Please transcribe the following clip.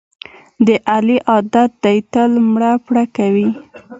د علي عادت دی تل مړه پړه کوي.